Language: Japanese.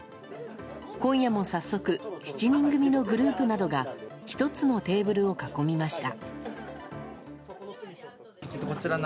今夜も早速７人組のグループなどが１つのテーブルを囲みました。